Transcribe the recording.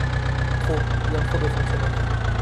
Trop, bien trop de fonctionnaires.